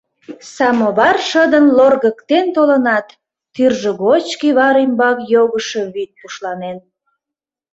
Самовар шыдын лоргыктен толынат, тӱржӧ гоч кӱвар ӱмбак йогышо вӱд пушланен.